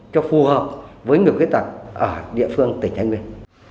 cho phù hợp với người khuyết tật ở địa phương tỉnh thái nguyên